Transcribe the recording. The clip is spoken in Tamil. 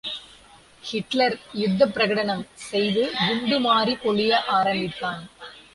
ஹிட்லர் யுத்த பிரகடனம் செய்து குண்டு மாறி பொழிய ஆரம்பித்தான்.